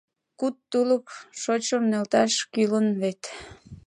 Куд тулык шочшым нӧлташ кӱлын вет.